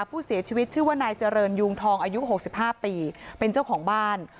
ผู้เสียชีวิตชื่อว่านายเจริญยูงทองอายุ๖๕ปีเป็นเจ้าของบ้าน